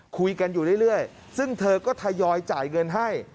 คุยกันอยู่เรื่อยซึ่งเธอก็ทยอยจ่ายเงินให้